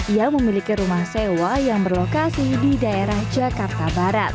ia memiliki rumah sewa yang berlokasi di daerah jakarta barat